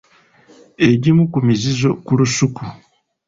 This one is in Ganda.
Egimu ku mizizo ku lusuku.